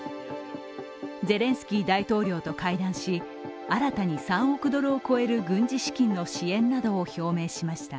ゼレンスキー大統領と会談し、新たに３億ドルを超える軍事資金の支援などを表明しました。